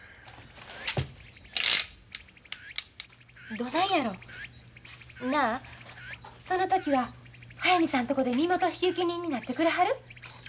どないやろ？なあその時は速水さんとこで身元引受人になってくれはる？